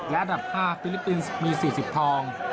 และอันดับ๕ฟิลิปปินส์มี๔๐ทอง